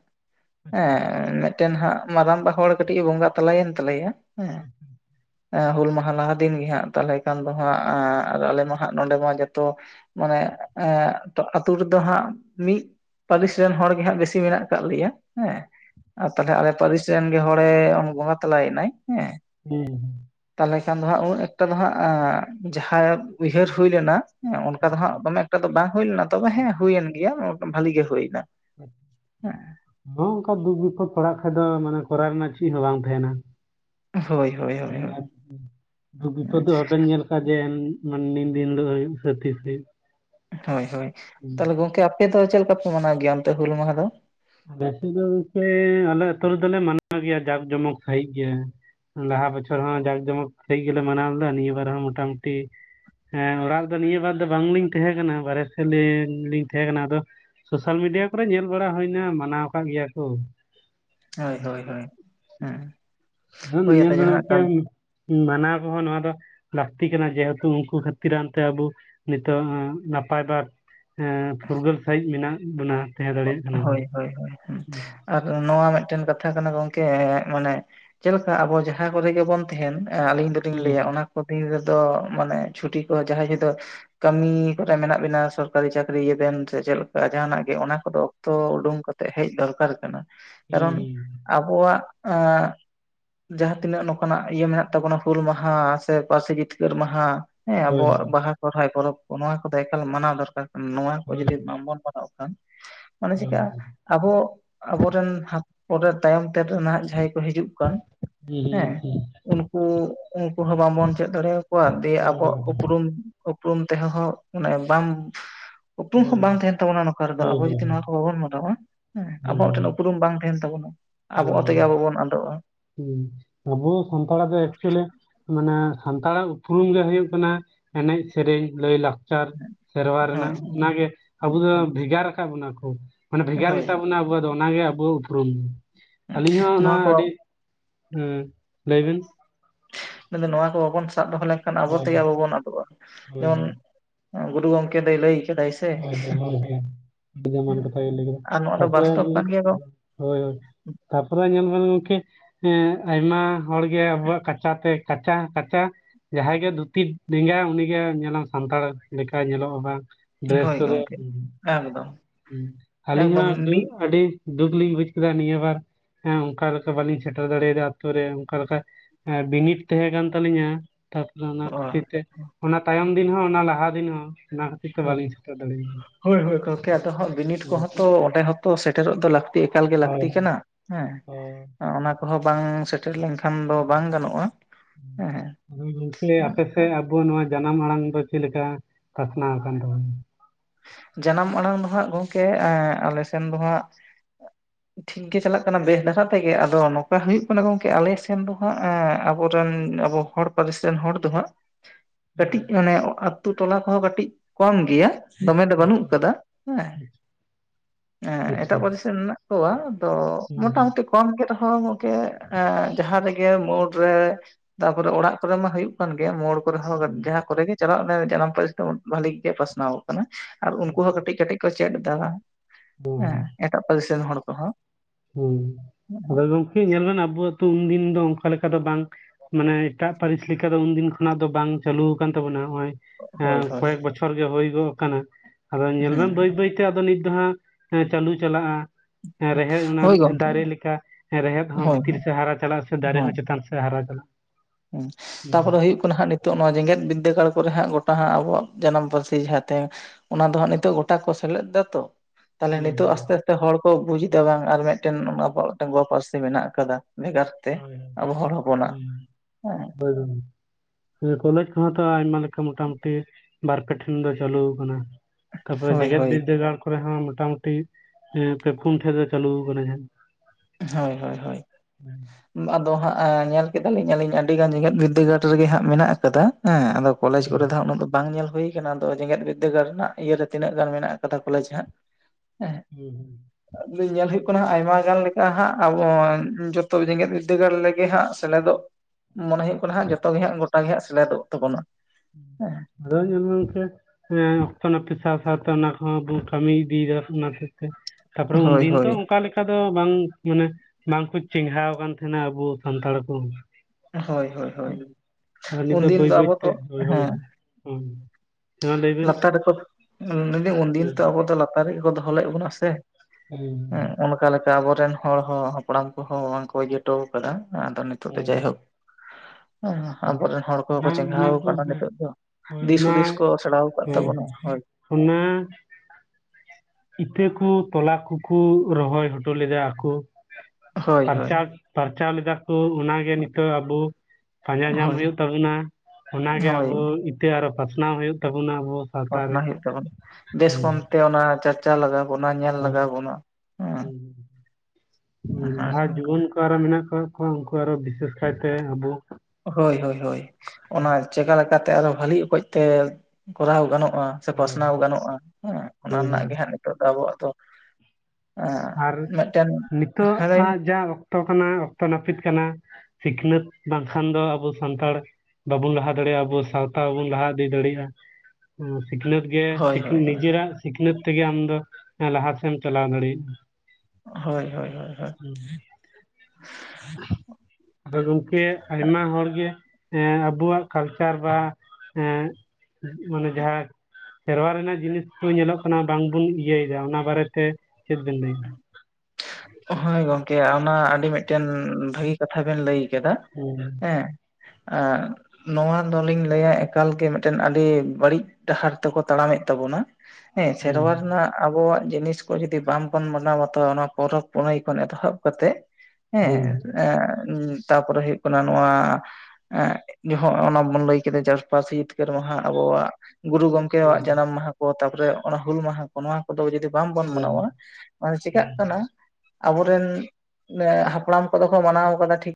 ᱦᱮᱸ ᱢᱤᱫᱴᱮᱱ ᱦᱟᱸᱜ ᱢᱟᱨᱟᱝᱵᱟ ᱦᱚᱲ ᱠᱟᱹᱴᱤᱡ ᱮ ᱵᱚᱸᱜᱟ ᱛᱟᱞᱟᱭᱮᱱ ᱛᱟᱞᱮᱭᱟ ᱦᱮᱸ [inaudible] ᱦᱩᱞ ᱢᱟᱦᱟ ᱞᱟᱦᱟ ᱫᱤᱱ ᱜᱮ ᱦᱟᱸᱜ ᱛᱟᱦᱟᱞᱮ ᱠᱷᱟᱱ ᱫᱚ ᱦᱟᱸᱜ ᱟᱞᱮ ᱢᱟ ᱦᱟᱸᱜ ᱱᱚᱰᱮ ᱢᱟ- ᱡᱚᱛᱚ ᱢᱟᱱᱮ ᱮᱻ ᱛᱚ ᱟᱛᱩ ᱨᱮᱫᱚ ᱦᱟᱸᱜ ᱢᱤᱫ ᱯᱟᱹᱨᱤᱥ ᱨᱮᱱ ᱦᱚᱲ ᱜᱮ ᱦᱟᱸᱜ ᱵᱮᱥᱤ ᱢᱮᱱᱟᱜ ᱠᱟᱜ ᱞᱮᱭᱟ ᱦᱮᱸ ᱟᱨ ᱛᱟᱦᱞᱮ ᱟᱞᱮ ᱯᱟᱹᱨᱤᱥ ᱨᱮᱱ ᱜᱮ ᱦᱚᱲᱮ ᱵᱚᱸᱜᱟ ᱛᱟᱞᱟᱭᱮᱱᱟᱭ ᱦᱮᱸ [unintelligible] ᱛᱟᱦᱚᱞᱮ ᱠᱷᱟᱱ ᱫᱚ ᱦᱟᱸᱜ ᱩᱱ ᱮᱠᱴᱟ ᱫᱚ ᱦᱟᱸᱜ ᱡᱟᱦᱟᱸ ᱩᱭᱦᱟᱹᱨ ᱦᱩᱭ ᱞᱮᱱᱟ ᱦᱮᱸ ᱚᱱᱠᱟ ᱫᱚ ᱟᱪᱪᱷᱟ ᱦᱟᱸᱜ ᱫᱚᱢᱮ ᱮᱠᱴᱟ ᱫᱚ ᱵᱟᱝ ᱦᱩᱭ ᱞᱮᱱᱟ ᱛᱚᱵᱮ ᱦᱮᱸ ᱦᱩᱭᱮᱱ ᱜᱮᱭᱟ ᱵᱷᱟᱞᱤᱤ ᱜᱮ ᱦᱩᱭᱱᱟ ᱦᱚᱸ ᱦᱮᱸ ᱱᱚᱝᱠᱟ ᱫᱩᱠ ᱵᱤᱯᱚᱫ ᱯᱟᱲᱟᱜ ᱠᱷᱟᱱ ᱫᱚ ᱢᱟᱱᱮ ᱠᱚᱨᱟᱣ ᱨᱮᱱᱟᱜ ᱪᱮᱫ ᱦᱚᱸ ᱵᱟᱝ ᱛᱟᱦᱮᱸᱱᱟ ᱦᱳᱭ ᱦᱳᱭ ᱦᱳᱭ ᱫᱩᱠ ᱵᱤᱯᱚᱫ ᱫᱚ ᱵᱟᱵᱮᱱ ᱧᱮᱞ ᱠᱟᱡᱮᱱ ᱢᱟᱱᱮ ᱱᱤᱱ ᱫᱤᱱ ᱦᱤᱞᱚᱜ ᱦᱩᱭᱩᱜ-ᱟ ᱥᱮ ᱛᱤᱥ ᱫᱤᱱ ᱦᱳᱭ ᱦᱳᱭ ᱛᱟᱦᱚᱞᱮ ᱜᱚᱝᱠᱮ ᱟᱯᱮ ᱫᱚ ᱪᱮᱫ ᱞᱮᱠᱟ ᱯᱮ ᱢᱟᱱᱟᱣ ᱜᱮᱭᱟ ᱚᱱᱛᱮ ᱦᱩᱞ ᱢᱟᱦᱟ ᱫᱚ ᱵᱮᱥᱤ ᱫᱚ ᱜᱚᱢᱠᱮ ᱟᱞᱮ ᱟᱹᱛᱩ ᱨᱮᱫᱚ ᱞᱮ ᱢᱟᱱᱟᱣ ᱜᱮᱭᱟ ᱡᱟᱠ ᱡᱚᱢᱚᱠ ᱥᱟᱹᱦᱤᱡ ᱜᱮᱭᱟ ᱞᱟᱦᱟ ᱵᱚᱪᱷᱚᱨ ᱦᱚᱸ ᱡᱟᱠ ᱡᱚᱢᱚᱠ ᱥᱟᱦᱤᱡ ᱜᱮᱞᱮ ᱢᱟᱱᱟᱣ ᱞᱮᱫᱟ ᱱᱤᱭᱟᱹ ᱵᱟᱨ ᱦᱚᱸ ᱢᱳᱴᱟᱢᱩᱴᱤ ᱦᱮᱸ ᱚᱲᱟᱜ ᱨᱮ ᱫᱚ ᱱᱤᱭᱟᱹ ᱵᱟᱨ ᱫᱚ ᱵᱟᱝᱞᱤᱧ ᱛᱟᱦᱮᱸ ᱠᱟᱱᱟ ᱵᱟᱨᱦᱮ ᱥᱮᱫ ᱞᱤᱧ ᱛᱟᱦᱮᱸ ᱠᱟᱱᱟ ᱟᱫᱚ ᱥᱳᱥᱟᱞ ᱢᱤᱰᱤᱭᱟ ᱠᱚᱨᱮ ᱧᱮᱞ ᱵᱟᱲᱟ ᱦᱩᱭᱱᱟ ᱢᱟᱱᱟᱣ ᱟᱠᱟᱜ ᱜᱮᱭᱟ ᱠᱚ ᱦᱳᱭ ᱦᱳᱭ ᱦᱳᱭ ᱦᱮᱸ ᱟᱫᱚ ᱦᱳᱭ ᱧᱮᱞ ᱢᱮ ᱡᱟᱦᱟᱱᱟᱜ ᱜᱚᱝᱠᱮ ᱠᱟᱱ ᱢᱟᱱᱟᱣ ᱠᱚᱦᱚᱸ ᱱᱚᱣᱟ ᱫᱚ ᱞᱟᱹᱠᱛᱤ ᱠᱟᱱᱟ ᱡᱮᱦᱮᱛᱩ ᱩᱱᱠᱩ ᱠᱷᱟᱹᱛᱤᱨ ᱟᱱᱛᱮ ᱟᱵᱚ ᱱᱤᱛᱚᱜ ᱱᱟᱯᱟᱭ ᱵᱟᱨ ᱦᱮᱸ ᱯᱷᱩᱨᱜᱟᱹᱞ ᱥᱟᱺᱦᱤᱡ ᱢᱮᱱᱟᱜ ᱵᱚᱱᱟ ᱛᱟᱦᱮᱸ ᱫᱟᱲᱮᱭᱟᱜ ᱠᱟᱱᱟ ᱵᱚᱱ ᱦᱳᱭ ᱦᱳᱭ ᱟᱨ ᱚᱱ ᱱᱚᱣᱟ ᱢᱤᱫᱴᱮᱱ ᱠᱟᱛᱷᱟ ᱠᱟᱱᱟ ᱜᱚᱝᱠᱮ ᱢᱟᱱᱮ ᱪᱮᱫ ᱞᱮᱠᱟ ᱟᱵᱚ ᱡᱟᱦᱟᱸ ᱠᱚᱨᱮ ᱜᱮᱵᱚᱱ ᱛᱟᱦᱮᱱ ᱟᱞᱤᱧ ᱫᱚ ᱞᱤᱧ ᱞᱟᱹᱭᱟ ᱦᱩᱸ ᱚᱱᱟ ᱠᱚ ᱫᱤᱱ ᱨᱮᱫᱚ ᱢᱟᱱᱮ ᱪᱷᱩᱴᱤ ᱠᱚ ᱡᱟᱦᱟᱸᱭ ᱡᱩᱫᱟ ᱠᱟᱹᱢᱤ ᱠᱚᱨᱮ ᱢᱮᱱᱟᱜ ᱵᱤᱱᱟ ᱥᱚᱨᱠᱟᱨᱤ ᱪᱟᱹᱠᱨᱤᱭᱟ ᱵᱮᱱ ᱥᱮ ᱪᱮᱫ ᱞᱮᱠᱟ ᱡᱟᱦᱟᱸᱱᱟᱜ ᱜᱮ ᱚᱱᱟ ᱠᱚᱫᱚ ᱚᱠᱛᱚ ᱩᱰᱩᱝ ᱠᱟᱛᱮᱫ ᱦᱮᱡ ᱫᱚᱨᱠᱟᱨ ᱠᱟᱱᱟ ᱦᱩᱸ ᱠᱟᱨᱚᱱ ᱦᱩᱸ ᱟᱵᱚᱣᱟᱜ ᱡᱟᱦᱟᱸ ᱛᱤᱱᱟᱹᱜ ᱱᱚᱝᱠᱟᱱᱟᱜ ᱤᱭᱟᱹ ᱢᱮᱱᱟᱜ ᱛᱟᱵᱚᱱᱟ ᱦᱩᱞ ᱢᱟᱦᱟ ᱥᱮ ᱯᱟᱹᱨᱥᱤ ᱡᱤᱛᱠᱟᱹᱨ ᱢᱟᱦᱟ ᱦᱮᱸ ᱦᱳᱭ ᱟᱵᱚᱣᱟᱜ ᱦᱳᱭ ᱵᱟᱦᱟ ᱥᱚᱨᱚᱦᱟᱭ ᱯᱚᱨᱚᱵᱽ ᱠᱚ ᱱᱚᱣᱟ ᱠᱚᱫᱚ ᱮᱠᱟᱞ ᱢᱟᱱᱟᱣ ᱫᱚᱨᱠᱟᱨ ᱠᱟᱱᱟ ᱱᱚᱣᱟ ᱠᱚ ᱦᱳᱭ ᱡᱩᱫᱤ ᱵᱟᱝᱵᱚᱱ ᱢᱟᱱᱟᱣ ᱠᱷᱟᱱ ᱢᱟᱱᱮ ᱦᱳᱭ ᱪᱤᱠᱟᱹᱜᱼᱟ ᱟᱵᱚ ᱟᱵᱚ ᱨᱮᱱ ᱦᱟ ᱯᱚᱨᱮ ᱛᱟᱭᱚᱢ ᱛᱮᱫ ᱨᱮ ᱱᱟᱦᱟᱜ ᱡᱟᱦᱟᱸᱭ ᱠᱚ ᱦᱤᱡᱩᱜ ᱠᱚᱣᱟ ᱦᱩᱸ ᱦᱮᱸ ᱦᱩᱸ ᱩᱱᱠᱩ ᱩᱱᱠᱩ ᱦᱚᱸ ᱵᱟᱵᱚᱱ ᱪᱮᱫ ᱫᱟᱲᱮ ᱟᱠᱚᱣᱟ ᱫᱤᱭᱮ ᱦᱳᱭ ᱟᱵᱚᱣᱟᱜ ᱩᱯᱨᱩᱢ ᱩᱯᱨᱩᱢ ᱛᱟᱦᱮᱸᱦᱚᱸ ᱢᱟᱱᱮ ᱵᱟᱢ ᱩᱯᱨᱩᱢ ᱦᱳᱭ ᱦᱚᱸ ᱵᱟᱝ ᱛᱟᱦᱮᱱ ᱛᱟᱵᱚᱱᱟ ᱱᱚᱝᱠᱟ ᱨᱮᱫᱚ ᱦᱳᱭ ᱦᱳᱭ ᱟᱵᱚ ᱦᱳᱭ ᱡᱩᱫᱤ ᱦᱳᱭ ᱱᱚᱣᱟ ᱠᱚ ᱵᱟᱵᱚᱱ ᱢᱟᱱᱟᱣᱟ ᱦᱮᱸ ᱦᱳᱭ ᱟᱵᱚᱣᱟᱜ ᱦᱳᱭ ᱢᱤᱫᱴᱮᱱ ᱩᱯᱨᱩᱢ ᱵᱟᱝ ᱛᱟᱦᱮᱱ ᱛᱟᱵᱚᱱᱟ ᱟᱵᱚᱣᱟᱜ ᱛᱮᱜᱮ ᱟᱵᱚ ᱵᱚᱱ ᱟᱸᱫᱚᱜᱼᱟ ᱦᱮᱸ ᱟᱵᱩ ᱥᱟᱱᱛᱟᱲ ᱫᱚ ᱮᱠᱪᱩᱞᱤ ᱢᱟᱱᱮ ᱥᱟᱱᱛᱟᱲᱟᱜ ᱩᱯᱨᱩᱢ ᱜᱮ ᱦᱩᱭᱩᱜ ᱠᱟᱱᱟ ᱮᱱᱮᱡ ᱥᱮᱨᱮᱧ ᱞᱟᱹᱭ ᱞᱟᱠ ᱞᱟᱠᱪᱟᱨ ᱥᱮᱨᱣᱟ ᱦᱳᱭ ᱨᱮᱱᱟᱜ ᱚᱱᱟ ᱜᱮ ᱟᱵᱚ ᱫᱚ ᱵᱷᱮᱜᱟᱨ ᱟᱠᱟᱫ ᱵᱚᱱᱟ ᱠᱚ ᱢᱟᱱᱮ ᱵᱷᱮᱜᱟᱨ ᱦᱳᱭ ᱜᱮᱛᱟ ᱵᱚᱱᱟ ᱚᱱᱟᱜᱮ ᱟᱵᱚᱣᱟᱜ ᱩᱯᱨᱩᱢ ᱟᱹᱞᱤᱧ ᱦᱚᱸ ᱚᱱᱟ ᱱᱚᱣᱟ ᱠᱚ ᱟᱹᱰᱤ ᱦᱮᱸ ᱞᱟᱹᱭᱵᱤᱱ ᱢᱮᱱ ᱱᱚᱣᱟ ᱠᱚ ᱵᱟᱵᱚᱱ ᱥᱟᱵ ᱫᱚᱦᱚ ᱞᱮᱠᱷᱟᱱ ᱟᱵᱚ ᱦᱳᱭ ᱛᱮᱜᱮ ᱦᱳᱭ ᱟᱵᱚᱵᱚᱱ ᱟᱫᱚᱜᱼᱟ ᱦᱳᱭ ᱡᱮᱢᱚᱱ ᱦᱳᱭ ᱜᱩᱨᱩ ᱜᱚᱝᱠᱮ ᱫᱚᱹᱭ ᱞᱟᱹᱭ ᱠᱟᱫᱟᱭ ᱥᱮ ᱦᱮ ᱦᱮ ᱟᱰᱤ ᱫᱟᱢᱟᱱ ᱠᱟᱛᱷᱟ ᱜᱮᱭ ᱞᱟᱹᱭ ᱟᱠᱟᱫᱟ ᱟᱨ ᱱᱚᱣᱟ ᱫᱚ ᱛᱟᱯᱚᱨᱮ ᱵᱟᱥᱛᱚᱵ ᱦᱳᱭ ᱠᱟᱱ ᱜᱮᱭᱟ ᱦᱳᱭ ᱛᱟᱯᱚᱨᱮ ᱧᱮᱞ ᱵᱮᱱ ᱜᱚᱢᱠᱮ ᱦᱮᱸ ᱟᱭᱢᱟ ᱦᱚᱲ ᱜᱮ ᱟᱵᱚᱣᱟᱜ ᱠᱟᱪᱟᱛᱮ ᱠᱟᱪᱟ ᱠᱟᱪᱟ ᱡᱟᱦᱟᱸᱭ ᱜᱮ ᱫᱷᱩᱛᱤ ᱰᱮᱸᱜᱟᱭᱟ ᱩᱱᱤᱜᱮ ᱧᱮᱞᱟᱢ ᱥᱟᱱᱛᱟᱲ ᱞᱮᱠᱟᱭ ᱧᱮᱞᱚᱜᱼᱟ ᱵᱟᱝ ᱰᱨᱮᱥ ᱦᱳᱭ ᱠᱚᱫᱚ ᱜᱚᱝᱠᱮ ᱮᱠᱫᱚᱢ ᱟᱹᱞᱤᱧ ᱮᱠᱫᱚᱢ ᱦᱚᱸ ᱢᱤᱫ ᱟᱹᱰᱤ ᱫᱩᱠ ᱞᱤᱧ ᱵᱩᱡ ᱠᱮᱫᱟ ᱱᱤᱭᱟᱹ ᱵᱟᱨ ᱦᱮᱸ ᱚᱱᱠᱟ ᱞᱮᱠᱟ ᱵᱟᱞᱤᱧ ᱥᱮᱴᱮᱨ ᱫᱟᱲᱮᱭᱟᱫᱟ ᱟᱛᱳ ᱨᱮ ᱚᱱᱠᱟ ᱞᱮᱠᱟ ᱦᱮᱸ ᱵᱤᱱᱤᱰ ᱛᱟᱦᱮᱸ ᱠᱟᱱ ᱛᱟᱞᱤᱧᱟ ᱛᱟᱯᱚᱨᱮ ᱚᱱᱟ ᱚ, ᱠᱷᱟᱹᱛᱤᱨ ᱛᱮ ᱚᱱᱟ ᱛᱟᱭᱚᱢ ᱫᱤᱱ ᱦᱚᱸ ᱚᱱᱟ ᱞᱟᱦᱟ ᱫᱤᱱ ᱦᱚᱸ, ᱚᱱᱟ ᱠᱷᱟᱛᱤᱨ ᱦᱳᱭ, ᱦᱳᱭ ᱦᱳᱭ ᱜᱚᱝᱠᱮ ᱟᱫᱚ ᱦᱟᱜ ᱵᱤᱱᱤᱴ ᱠᱚᱦᱚᱸ ᱛᱚ ᱚᱸᱰᱮ ᱦᱚᱸᱛᱚ ᱥᱮᱴᱮᱨᱚᱜ ᱫᱚ ᱞᱟᱹᱠᱛᱤ ᱮᱠᱟᱞ ᱜᱮ ᱦᱳᱭ ᱞᱟᱹᱠᱛᱤ ᱠᱟᱱᱟ ᱦᱮᱸ ᱦᱳᱭ ᱚᱱᱟ ᱠᱚᱦᱚᱸ ᱵᱟᱝ ᱥᱮᱴᱮᱨ ᱞᱮᱱᱠᱷᱟᱱ ᱫᱚ ᱵᱟᱝ ᱜᱟᱱᱚᱜᱼᱟ ᱦᱮᱸ ᱟᱫᱚ [unintelligible] ᱥᱮ ᱟᱵᱚ ᱱᱚᱣᱟ ᱡᱟᱱᱟᱢ ᱟᱲᱟᱝ ᱫᱚ ᱪᱮᱫ ᱞᱮᱠᱟ ᱯᱟᱥᱱᱟᱣ ᱟᱠᱟᱱ ᱛᱟᱵᱚᱱᱟ ᱡᱟᱱᱟᱢ ᱟᱲᱟᱝ ᱫᱚ ᱦᱟᱸᱜ ᱜᱚᱢᱠᱮ ᱮ ᱟᱞᱮ ᱥᱮᱱ ᱫᱚ ᱦᱟᱸᱜ ᱴᱷᱤᱠ ᱜᱮ ᱪᱟᱞᱟᱜ ᱠᱟᱱᱟ ᱵᱮᱥ ᱞᱮᱠᱟ ᱛᱮᱜᱮ ᱟᱫᱚ ᱱᱚᱝᱠᱟ ᱦᱩᱭᱩᱜ ᱠᱟᱱᱟ ᱜᱚᱝᱠᱮ ᱟᱞᱮ ᱥᱮᱱ ᱫᱚ ᱦᱟᱸᱜ ᱟᱵᱚ ᱨᱮᱱ ᱟᱵᱚ ᱦᱚᱲ ᱯᱹᱟᱨᱤᱥ ᱨᱮᱱ ᱦᱚᱲ ᱫᱚ ᱦᱟᱜ ᱦᱩᱸ ᱠᱟᱹᱴᱤᱡ ᱢᱟᱱᱮ ᱟᱛᱳ ᱴᱚᱞᱟ ᱠᱚᱦᱚᱸ ᱠᱟᱹᱴᱤᱡ ᱠᱚᱢ ᱜᱮᱭᱟ ᱫᱚᱢᱮ ᱫᱚ ᱵᱟᱹᱱᱩᱜ ᱟᱪᱪᱷᱟ ᱠᱟᱫᱟ ᱦᱮᱸ ᱟᱪᱪᱷᱟ ᱮᱴᱟᱜ ᱟᱪᱪᱷᱟ ᱯᱟᱹᱨᱥᱤ ᱨᱮᱱ ᱢᱮᱱᱟᱜ ᱠᱚᱣᱟ ᱛᱚ ᱦᱩᱸ ᱢᱚᱴᱟᱢᱩᱴᱤ ᱠᱚᱢ ᱜᱮ ᱨᱮᱦᱚᱸ ᱜᱚᱝᱠᱮ ᱡᱟᱦᱟᱸ ᱨᱮᱜᱮ ᱢᱳᱲ ᱨᱮ ᱛᱟᱯᱚᱨᱮ ᱚᱲᱟᱜ ᱠᱚᱨᱮ ᱢᱟ ᱦᱳᱭᱳᱜ ᱠᱟᱱ ᱜᱮᱭᱟ ᱢᱳᱲ ᱠᱚᱨᱮ ᱦᱩᱸ ᱦᱚᱸ ᱡᱟᱦᱟᱸ ᱠᱚᱨᱮ ᱜᱮ ᱪᱟᱞᱟᱜ ᱡᱟᱱᱟᱢ ᱯᱟᱹᱨᱤᱥ ᱛᱟᱵᱚᱱ ᱵᱷᱟᱞᱮ ᱜᱮ ᱯᱟᱥᱱᱟᱣ ᱠᱟᱱᱟ ᱟᱨ ᱩᱱᱠᱩ ᱟᱪᱪᱷᱟ ᱦᱚᱸ ᱠᱟᱹᱴᱤᱡ ᱠᱟᱹᱴᱤᱡ ᱦᱩᱸ [inaudible] ᱮᱴᱟᱜ ᱯᱟᱹᱨᱥᱤ ᱨᱮᱱ ᱦᱚᱲ ᱠᱚᱦᱚ ᱦᱩᱸ ᱟᱫᱚ ᱜᱚᱝᱠᱮ ᱧᱮᱞ ᱵᱮᱱ ᱟᱵᱚ ᱟᱹᱛᱩ ᱩᱱᱫᱤᱱ ᱫᱚ ᱚᱱᱠᱟ ᱞᱮᱠᱟ ᱫᱚ ᱵᱟᱝ ᱢᱟᱱᱮ ᱮᱴᱟᱜ ᱯᱟᱹᱨᱤᱥ ᱞᱮᱠᱟ ᱫᱚ ᱩᱱᱫᱤᱱ ᱠᱷᱚᱱᱟᱜ ᱫᱚ ᱵᱟᱝ ᱪᱟᱹᱞᱩ ᱠᱟᱱ ᱛᱟᱵᱚᱱᱟ ᱱᱚᱜ-ᱚᱭ ᱦᱳᱭ ᱦᱳᱭ ᱠᱚᱭᱮᱠ ᱵᱚᱪᱷᱚᱨ ᱜᱮ ᱦᱳᱭ ᱜᱚᱜ ᱠᱟᱱᱟ, ᱟᱫᱚ ᱧᱮᱞ ᱢᱮ ᱦᱮᱸ ᱵᱟᱹᱭ ᱵᱟᱹᱭ ᱛᱮ ᱟᱫᱚ ᱱᱤᱛ ᱫᱚ ᱦᱟᱸᱜ ᱪᱟᱹᱞᱩ ᱪᱟᱞᱟᱜᱼᱟ ᱚᱱᱟ ᱦᱳᱭ ᱜᱚᱝᱠᱮ ᱫᱟᱨᱮ ᱞᱮᱠᱟ ᱨᱮᱦᱮᱫ ᱦᱚᱸ ᱦᱳᱭ ᱦᱳᱭ ᱵᱷᱤᱛᱤᱨ ᱦᱮᱸ ᱥᱮ ᱦᱟᱨᱟ ᱪᱟᱞᱟᱜᱼᱟ ᱥᱮ ᱫᱟᱨᱮ ᱦᱚᱸ ᱪᱮᱛᱟᱱ ᱥᱮᱫ ᱦᱟᱨᱟ ᱪᱟᱞᱟᱜᱼᱟ ᱦᱩᱸ ᱛᱟᱯᱚᱨᱮ ᱦᱩᱭᱩᱜ ᱦᱟᱸᱜ ᱱᱤᱛᱚᱜ ᱱᱚᱣᱟ ᱡᱮᱜᱮᱛ ᱵᱤᱫᱽᱫᱟᱹᱜᱟᱲ ᱠᱚᱨᱮ ᱦᱟᱸᱜ ᱜᱚᱴᱟ ᱦᱟᱸᱜ ᱟᱵᱚᱣᱟᱜ ᱡᱟᱱᱟᱢ ᱯᱟᱹᱨᱥᱤ ᱡᱟᱦᱟᱸ ᱛᱮ ᱚᱱᱟ ᱫᱚ ᱦᱟᱸᱜ ᱱᱤᱛᱚᱜ ᱜᱚᱴᱟ ᱠᱚ ᱥᱮᱞᱮᱫ ᱫᱟ ᱛᱚ ᱛᱟᱦᱞᱮ ᱦᱩᱸ ᱱᱤᱛᱚᱜ ᱦᱩᱸ ᱟᱥᱛᱮ ᱦᱚᱲ ᱠᱚ ᱵᱩᱡᱽ ᱫᱟ ᱵᱟᱝ ᱟᱨ ᱢᱤᱫᱴᱮᱱ ᱟᱵᱚᱣᱟᱜ ᱢᱤᱫᱴᱟᱝ ᱜᱚ ᱯᱟᱹᱨᱥᱤ ᱢᱮᱱᱟᱜ ᱠᱟᱫᱟ ᱵᱷᱮᱜᱟᱨ ᱛᱮ ᱦᱳᱭ ᱟᱵᱚ ᱦᱚᱲ ᱦᱚᱯᱚᱱᱟᱜ ᱦᱳᱭ ᱦᱳᱭ [inaudible] ᱠᱚᱞᱮᱡᱽ ᱠᱚᱦᱚᱸ ᱛᱚ ᱟᱭᱢᱟ ᱞᱮᱠᱟ ᱢᱚᱴᱟᱢᱩᱴᱤ ᱵᱟᱨ ᱯᱮ ᱴᱷᱮᱱ ᱫᱚ ᱪᱟᱹᱞᱩ ᱠᱟᱱᱟ ᱛᱟᱯᱚᱨᱮ ᱡᱮᱜᱮᱛ ᱦᱳᱭ ᱵᱤᱫᱽᱫᱟᱹᱜᱟᱲ ᱠᱚᱨᱮ ᱦᱚᱸ ᱢᱚᱴᱟᱢᱩᱴᱤ ᱯᱮ ᱯᱷᱩᱢ ᱴᱷᱮᱱ ᱫᱚ ᱪᱟᱞᱩ ᱟᱠᱟᱱᱟ [inaudible] ᱦᱳᱭ ᱦᱳᱭ ᱦᱳᱭ ᱟᱫᱚ ᱦᱟᱸᱜ ᱧᱮᱞ ᱠᱮᱫᱟᱞᱤᱧ ᱟᱹᱞᱤᱧ ᱟᱹᱰᱤ ᱜᱟᱱ ᱡᱮᱜᱮᱛ ᱵᱤᱫᱽᱫᱟᱹᱜᱟᱲ ᱨᱮᱜᱮ ᱦᱟᱸᱜ ᱢᱮᱱᱟᱜ ᱠᱟᱫᱟ ᱦᱮᱸ ᱟᱫᱚ ᱠᱚᱞᱮᱡᱽ ᱠᱚᱨᱮ ᱫᱚ ᱦᱟᱜ ᱩᱱᱟᱹᱜ ᱫᱚ ᱵᱟᱝ ᱧᱮᱞ ᱦᱳᱭ ᱡᱮᱜᱮᱛ ᱵᱤᱫᱽᱫᱟᱹᱜᱟᱲ ᱨᱮᱱᱟᱜ ᱤᱭᱟᱹ ᱨᱮ ᱛᱤᱱᱟᱹᱜ ᱜᱟᱱ ᱢᱮᱱᱟᱜ ᱠᱟᱫᱟ ᱠᱚᱞᱮᱡᱽ ᱦᱟᱸᱜ ᱮ ᱦᱩᱸ ᱦᱩᱸ ᱧᱮᱞ ᱦᱳᱭᱳᱜ ᱠᱟᱱᱟ ᱟᱭᱢᱟ ᱜᱟᱱ ᱦᱟᱸᱜ ᱟᱵᱚ ᱡᱚᱛᱚ ᱡᱮᱜᱮᱛ ᱵᱤᱨᱫᱟᱹᱜᱟᱲ ᱨᱮᱜᱮ ᱦᱟᱸᱜ ᱥᱮᱞᱮᱫᱚᱜ ᱢᱚᱱᱮ ᱦᱩᱭᱩᱜ ᱠᱟᱱᱟ ᱦᱟᱸᱜ ᱡᱚᱛᱚ ᱜᱮ ᱦᱟᱸᱜ ᱜᱚᱴᱟ ᱜᱮ ᱦᱟᱸᱜ ᱥᱮᱞᱮᱫᱚᱜ ᱛᱟᱵᱚᱱᱟ ᱮᱸ ᱟᱫᱚ ᱧᱮᱞ [inaudible] ᱦᱮᱸ ᱚᱠᱛᱚ ᱱᱟᱯᱤᱛ ᱥᱟᱶ ᱥᱟᱶ ᱛᱮ ᱚᱱᱟ ᱠᱚᱦᱚ ᱵᱚ ᱠᱟᱹᱢᱤ ᱤᱫᱤ ᱫᱟ ᱚᱱᱟ ᱦᱚᱛᱮᱜ ᱛᱮ ᱛᱟᱯᱚᱨᱮ ᱦᱳᱭ ᱩᱱᱫᱤᱱ ᱛᱚ ᱦᱳᱭ ᱚᱱᱠᱟ ᱞᱮᱠᱟ ᱚᱱᱠᱟ ᱫᱚ ᱵᱟᱝ ᱢᱟᱱᱮ ᱵᱟᱝᱠᱚ ᱪᱮᱸᱜᱷᱟᱣ ᱠᱟᱱ ᱛᱟᱦᱮᱱᱟ ᱟᱵᱚ ᱥᱟᱱᱛᱟᱲ ᱠᱚ ᱦᱳᱭ ᱦᱳᱭ ᱦᱳᱭ [inaudible] ᱩᱱᱫᱤᱱ ᱵᱟᱹᱭ ᱫᱚ ᱵᱟᱹᱭ ᱟᱵᱚ ᱛᱮ ᱫᱚ ᱦᱳᱭ ᱦᱳᱭ ᱦᱮᱸ ᱦᱮᱸ ᱢᱟ ᱞᱟᱹᱭ ᱵᱮᱱ ᱞᱟᱛᱟᱨ ᱨᱮᱠᱚ, ᱩᱱᱫᱤᱱ ᱦᱮᱸ ᱛᱚ ᱟᱵᱚ ᱫᱚ ᱞᱟᱛᱟᱨ ᱨᱮᱜᱮ ᱠᱚ ᱫᱚᱦᱚ ᱞᱮᱜ ᱵᱚᱱᱟ ᱥᱮ ᱦᱮᱸ ᱮᱸ ᱚᱱᱠᱟ ᱞᱮᱠᱟ ᱟᱵᱚᱨᱮᱱ ᱦᱚᱲ ᱦᱚᱸ ᱦᱟᱯᱲᱟᱢ ᱠᱚᱦᱚᱸ ᱵᱟᱝᱠᱚ ᱤᱭᱟ ᱦᱚᱴᱚ ᱠᱟᱜ-ᱟ, ᱟᱫᱚ [unintelligible] [unintelligible] ᱦᱮᱸ ᱡᱟᱭᱦᱳᱠ ᱦᱮᱸ ᱟᱵᱚᱨᱮᱱ ᱦᱚᱲ ᱠᱚᱦᱚ ᱠᱚ ᱚᱱᱟ ᱚᱱᱟ ᱪᱮᱸᱜᱷᱟᱣ ᱠᱚ ᱟᱠᱟᱱᱟ, ᱱᱤᱛᱚᱜ ᱫᱚ ᱫᱤᱥ ᱦᱩᱫᱤᱥ ᱠᱚ ᱥᱮᱬᱟ ᱟᱠᱟᱫ ᱦᱩᱭ ᱛᱟᱵᱚᱱᱟ ᱦᱳᱭ ᱚᱱᱟ ᱤᱛᱟᱹ ᱠᱚ ᱛᱚᱞᱟ ᱠᱚᱠᱚ ᱨᱚᱦᱚᱭ ᱦᱚᱴᱚ ᱞᱮᱫᱟ ᱠᱚ ᱦᱳᱭ ᱦᱳᱭ ᱯᱷᱟᱨᱪᱟ ᱯᱟᱨᱪᱟᱣ ᱞᱮᱫᱟ ᱠᱚ ᱚᱱᱟ ᱡᱮ ᱱᱤᱛᱚᱜ ᱟᱵᱚ ᱯᱟᱸᱡᱟ ᱧᱟᱢ ᱦᱳᱭ ᱦᱩᱭᱩᱜ ᱛᱟᱵᱚᱱᱟ ᱚᱱᱟ ᱜᱮ ᱦᱳᱭ ᱟᱵᱚ ᱛᱮ ᱟᱨᱦᱚ ᱯᱟᱥᱱᱟᱣ ᱦᱩᱭᱩᱜ ᱛᱟᱵᱚᱱᱟ ᱟᱵᱚ ᱥᱟᱶᱛᱟ ᱨᱮ ᱯᱟᱥᱱᱟ ᱦᱩᱭᱩᱜ ᱛᱟᱵᱚᱱᱟ ᱵᱮᱥ ᱦᱳᱭ ᱠᱷᱚᱱ ᱛᱮ ᱚᱱᱟ ᱪᱟᱨᱪᱟ ᱞᱟᱜᱟᱣ ᱵᱚᱱᱟ ᱧᱮᱞ ᱞᱟᱜᱟᱣ ᱵᱚᱱᱟ ᱦᱩᱸ ᱦᱮᱸ ᱦᱮᱸ ᱚᱠᱟᱨᱮ ᱢᱮᱱᱟᱜ ᱠᱟ ᱠᱚᱣᱟ ᱩᱱᱠᱩ ᱟᱨᱚ ᱵᱤᱥᱮᱥ ᱠᱟᱭᱛᱮ ᱟᱵᱚ ᱦᱚᱭ ᱦᱚᱭ ᱦᱚᱭ ᱚᱱᱟ ᱪᱮᱠᱟ ᱞᱮᱠᱟ ᱛᱮ ᱟᱨᱦᱚ ᱵᱷᱟᱹᱞᱤ ᱚᱠᱚᱡ ᱛᱮ ᱠᱚᱨᱟᱣ ᱜᱟᱱᱚᱜᱼᱟ ᱥᱮ ᱦᱳᱭ ᱯᱟᱥᱱᱟᱣ ᱜᱟᱱᱚᱜᱼᱟ ᱦᱮᱸ ᱚᱱᱟ ᱦᱳᱭ ᱨᱮᱱᱟᱜ ᱜᱮ ᱦᱟᱸᱜ ᱱᱤᱛᱚᱜ ᱫᱚ ᱟᱵᱚᱣᱟᱜ ᱫᱚ ᱟᱨ ᱢᱤᱫᱴᱮᱱ [inaudible] ᱱᱤᱛᱚᱜ ᱟᱜ ᱡᱟ ᱚᱠᱛᱚ ᱠᱟᱱᱟ ᱚᱠᱛᱚ ᱱᱟᱹᱯᱤᱛ ᱠᱟᱱᱟ ᱥᱤᱠᱷᱱᱟᱹᱛ ᱵᱟᱝᱠᱷᱟᱱ ᱫᱚ ᱟᱵᱚ ᱥᱟᱱᱛᱟᱲ ᱵᱟᱵᱩᱱ ᱞᱟᱦᱟ ᱫᱟᱲᱮᱭᱟᱜ-ᱟ ᱟᱵᱚ ᱥᱟᱶᱛᱟ ᱵᱚᱱ ᱞᱟᱦᱟ ᱤᱫᱤ ᱫᱟᱲᱮᱭᱟᱜ-ᱟ ᱦᱚ ᱥᱤᱠᱱᱟᱛᱷ ᱜᱮ ᱦᱳᱭ ᱥᱤ ᱦᱳᱭ ᱱᱤᱡᱮᱨᱟᱹ ᱥᱤᱠᱷᱱᱟᱹᱛ ᱛᱮ ᱜᱮ ᱟᱢ ᱫᱚ ᱞᱟᱦᱟ ᱥᱮᱫ ᱮᱢ ᱪᱟᱞᱟᱣ ᱫᱟᱲᱮᱭᱟᱜ-ᱟ ᱦᱳᱭ ᱦᱳᱭ ᱦᱳᱭ ᱦᱳ ᱟᱫᱚ ᱜᱚᱝᱠᱮ ᱟᱭᱢᱟ ᱦᱚᱲ ᱜᱮ ᱮᱸ ᱟᱵᱚᱣᱟᱜ ᱠᱟᱞᱪᱟᱨ ᱵᱟ ᱮ ᱢᱟᱱᱮ ᱡᱟᱦᱟᱸ ᱠᱷᱮᱨᱣᱟᱲ ᱨᱮᱱᱟᱜ ᱡᱤᱱᱤᱥ ᱠᱚ ᱧᱮᱞᱚᱜ ᱠᱟᱱᱟ ᱵᱟᱝ ᱵᱩᱱ ᱤᱭᱟᱹ ᱭᱮᱫᱟ ᱚᱱᱟ ᱵᱟᱨᱮ ᱛᱮ [inaudible] ᱦᱳᱭ ᱜᱚᱝᱠᱮ ᱚᱱᱟ ᱟᱹᱰᱤ ᱢᱤᱫᱴᱮᱱ ᱵᱷᱟᱹᱜᱤ ᱠᱟᱛᱷᱟ ᱵᱮᱤᱱ ᱞᱟᱹᱭ ᱟᱠᱟᱫᱟ [unintelligible] ᱦᱮᱸ ᱟᱨ ᱱᱚᱣᱟ ᱫᱚ ᱞᱤᱧ ᱞᱟᱹᱭᱟ ᱮᱠᱟᱞ ᱜᱮ ᱢᱤᱫᱴᱮᱱ ᱟᱹᱰᱤ ᱵᱟᱹᱲᱤᱡ ᱰᱟᱦᱟᱨ ᱛᱮ ᱠᱚ ᱛᱟᱲᱟᱢᱮᱫ ᱛᱟᱵᱚᱱᱟᱹ ᱦᱮᱸ ᱥᱮᱨᱣᱟ ᱦᱩᱸ ᱨᱮᱱᱟᱜ ᱟᱵᱚᱣᱟᱜ ᱡᱤᱱᱤᱥ ᱠᱚ ᱡᱩᱫᱤ ᱵᱟᱝ ᱵᱚᱱ ᱢᱟᱱᱟᱣ ᱵᱟᱛᱟᱣᱟ ᱚᱱᱟ ᱯᱚᱨᱚᱵᱽ ᱯᱩᱱᱟᱹᱭ ᱠᱷᱚᱱ ᱮᱛᱚᱦᱚᱵ ᱠᱟᱛᱮᱜ ᱦᱮᱸ ᱮᱸ ᱛᱟᱯᱨᱮ ᱦᱩᱭᱩᱜ ᱠᱟᱱᱟ ᱱᱚᱣᱟ ᱚᱱᱟ ᱵᱚᱱ ᱞᱟᱹᱭ ᱠᱮᱫᱟ ᱡᱟᱨᱯᱟ ᱡᱤᱛᱠᱟᱹᱨ ᱢᱟᱦᱟ ᱟᱵᱚᱣᱟᱜ ᱜᱩᱨᱩ ᱜᱚᱢᱠᱮ ᱜᱚᱢᱠᱮᱣᱟᱜ ᱦᱩᱸ ᱡᱟᱱᱟᱢ ᱢᱟᱦᱟᱸ ᱠᱚ ᱛᱟ ᱯᱚᱨᱮ ᱚᱱᱟ ᱦᱩᱞ ᱢᱟᱦᱟᱸ ᱱᱚᱣᱟ ᱠᱚᱫᱚ ᱡᱩᱫᱤ ᱵᱟᱝ ᱵᱚᱱ ᱦᱩᱸ ᱢᱟᱱᱟᱣᱟ ᱢᱟᱱ ᱪᱮᱤᱠᱟᱹ ᱦᱩᱸ ᱠᱟᱱᱟ ᱟᱵᱚ ᱨᱮᱱ ᱦᱟᱯᱲᱟᱢ ᱠᱚᱫᱚ ᱠᱚ ᱢᱟᱱᱟᱣ ᱟᱠᱟᱫᱟ ᱴᱷᱤᱠ